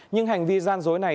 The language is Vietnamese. nhưng hành vi gian dối này